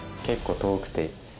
結構遠くて。